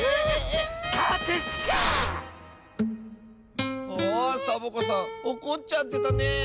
あサボ子さんおこっちゃってたね。